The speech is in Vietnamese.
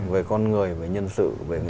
về con người về nhân sự